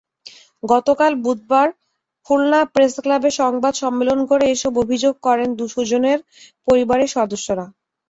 গতকাল বুধবার খুলনা প্রেসক্লাবে সংবাদ সম্মেলন করে এসব অভিযোগ করেন সুজনের পরিবারের সদস্যরা।